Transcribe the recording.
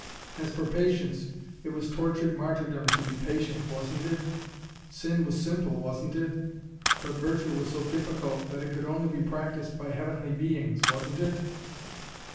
As for patience, it was tortured martyrdom to be patient, wasn't it? Sin was simple, wasn't it? But virtue was so difficult that it could only be practised by heavenly beings, wasn't it?